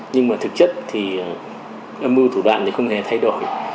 nhưng mà thực chất thì âm mưu thủ đoạn thì không hề thay đổi